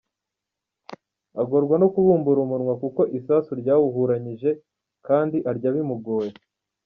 Agorwa no kubumbura umunwa kuko isasu ryawahuranyije, kandi arya bimugoye.